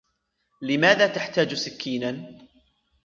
لماذا تحتاج سكينا؟